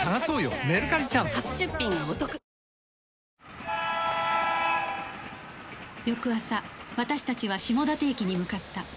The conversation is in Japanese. ニトリ翌朝私たちは下館駅に向かった